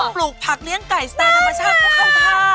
ปลูกผักเลี้ยงไก่สแตนธรรมชาติผู้เข้าท่า